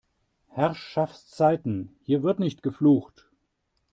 Herrschaftszeiten, hier wird nicht geflucht!